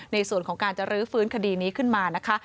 ในส่วนของการจะรื้อฟื้นคดีนี้ขึ้นมานะคะ